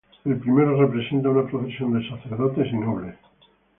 El primero representa una procesión de sacerdotes y nobles.